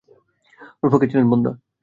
রুফাকা ছিলেন বন্ধ্যা।